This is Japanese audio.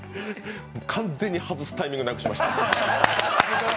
完全に外すタイミングなくしました。